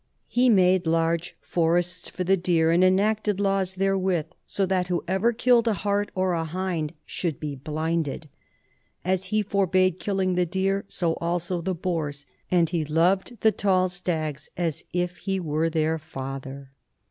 He made large forests for the deer, and enacted laws therewith, so that whoever killed a hart or a hind should be blinded. As he forbade killing the deer, so also the boars ; and he loved the tall stags as if he were their father.